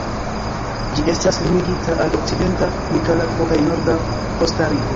Ĝi estas limigita al okcidenta Nikaragvo kaj norda Kostariko.